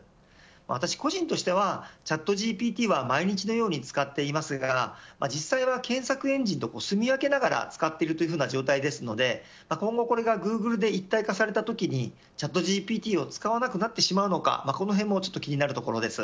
私個人としてはチャットＧＰＴは毎日のように使っていますが実際は検索エンジンとすみ分けながら使っているという状態ですので今後、これがグーグルと一体化されたときにチャットＧＰＴを使わなくなってしまうのかこの辺も気になるところです。